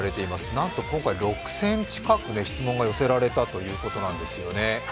なんと今回６０００近く、質問が寄せられたということなんですね。